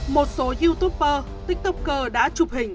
một số youtuber tiktoker đã chụp hình